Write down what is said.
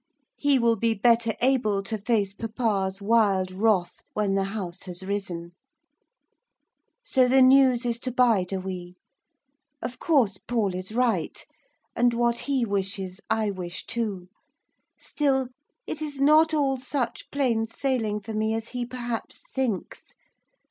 He will be better able to face papa's wild wrath when the House has risen. So the news is to bide a wee. Of course Paul is right. And what he wishes I wish too. Still, it is not all such plain sailing for me as he perhaps thinks.